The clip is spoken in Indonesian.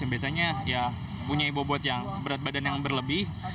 yang biasanya punya ibo ibot yang berat badan yang berlebih